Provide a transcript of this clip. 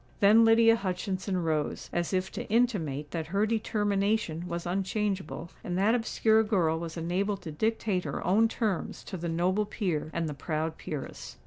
Then Lydia Hutchinson rose, as if to intimate that her determination was unchangeable; and that obscure girl was enabled to dictate her own terms to the noble peer and the proud peeress.